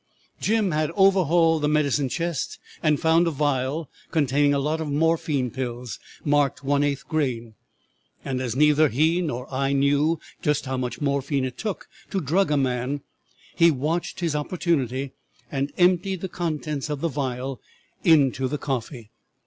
"'Jim had overhauled the medicine chest and had found a vial containing a lot of morphine pills marked one eighth grain, and as neither he nor I knew how much morphine it took to drug a man, he watched his opportunity and emptied the contents of the vial into the coffee.